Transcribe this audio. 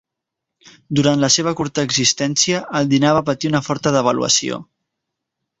Durant la seva curta existència, el dinar va patir una forta devaluació.